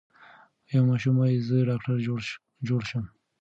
یو ماشوم وايي زه ډاکټر جوړ شم.